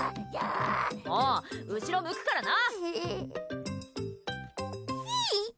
もう、後ろ向くからな！